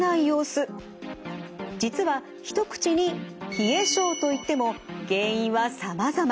実は一口に「冷え症」と言っても原因はさまざま。